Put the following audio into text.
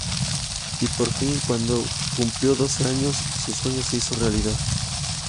Y por fin, cuando cumplió doce años su sueño se hizo realidad.